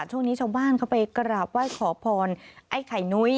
ช่วงนี้ชาวบ้านเขาไปกราบไหว้ขอพรไอ้ไข่นุ้ย